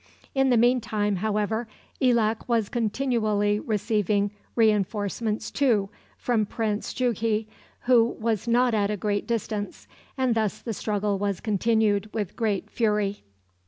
In the mean time, however, Elak was continually receiving re enforcements too from Prince Jughi, who was not at a great distance, and thus the struggle was continued with great fury.